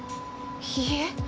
いいえ。